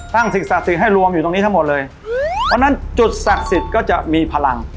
สิ่งศักดิ์สิทธิ์ให้รวมอยู่ตรงนี้ทั้งหมดเลยเพราะฉะนั้นจุดศักดิ์สิทธิ์ก็จะมีพลัง